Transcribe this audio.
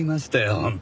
本当。